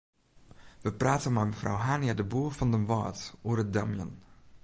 We prate mei mefrou Hania-de Boer fan Damwâld oer it damjen.